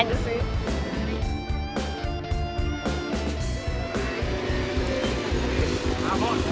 ama pelanggannya vectorsus